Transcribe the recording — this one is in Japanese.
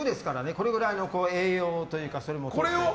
これぐらいの栄養というか。